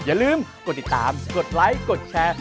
อย่าลืมกดติดตามกดไลค์กดแชร์